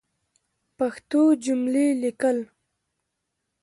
پښتو جملی لیکل